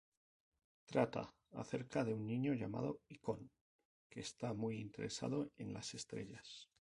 Trata acerca de un niño llamado Ikon que está muy interesado en las estrellas.